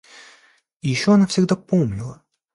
И еще она всегда помнила